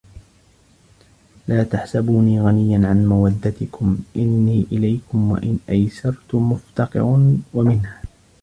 لَا تَحْسَبُونِي غَنِيًّا عَنْ مَوَدَّتِكُمْ إنِّي إلَيْكُمْ وَإِنْ أَيَسَرْتُ مُفْتَقِرُ وَمِنْهَا